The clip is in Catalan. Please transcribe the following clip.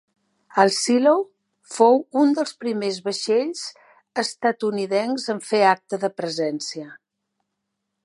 El "Shiloh" fou un dels primers vaixells estatunidencs en fer acte de presència.